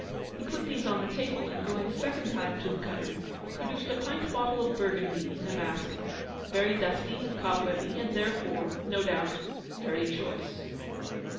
He put these on the table, and going a second time to the cupboard produced a pint bottle of Bur gundy, in a basket ; very dusty and cobwebby ; and therefore, no doubt, very choice.